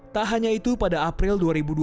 tak hanya itu pada april dua ribu dua puluh